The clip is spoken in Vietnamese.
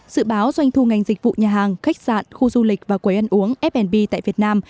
dự báo doanh thu ngành dịch vụ nhà hàng khách sạn khu du lịch và quầy ăn uống f b tại việt nam